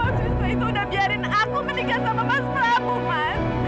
oh justru itu udah biarin aku menikah sama mas prabu mas